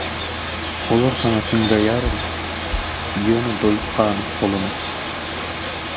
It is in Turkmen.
Olar saňa siňýarem, ýöne doýup, ganyp bolanok.